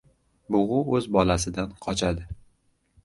• Bug‘u o‘z bolasidan qochadi.